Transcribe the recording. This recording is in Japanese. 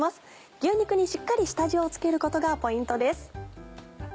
牛肉にしっかり下味を付けることがポイントです。